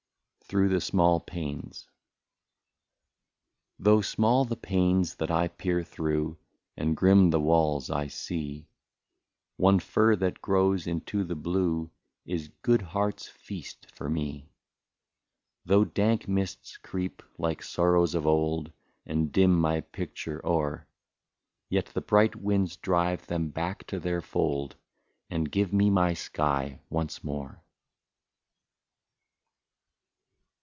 155 THROUGH THE SMALL PANES. Though small the panes that I peer through, And grim the walls I see, One fir that grows into the blue. Is good heart's feast for me ; Though dank mists creep, like sorrows of old, And dim my picture o'er, Yet the bright winds drive them back to their fold, And give me my sky once more.